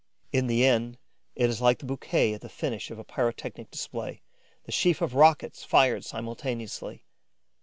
In the end, it is like the bouquet at the finish of a pyrotechnic display, the sheaf of rockets fired simultaneously.